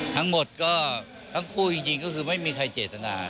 ทั้งหมดก็ทั้งคู่จริงก็คือไม่มีใครเจตนา